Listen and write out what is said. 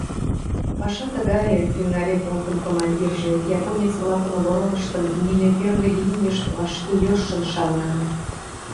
— Паша тыгае, — тӱҥале полкын командирже, — японец-влакын обороныштын нине первый линийышт вашке йӧршын шалана.